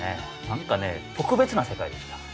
何かね特別な世界でした。